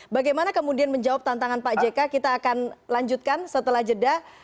bagaimana kemudian menjawab tantangan pak jk kita akan lanjutkan setelah jeda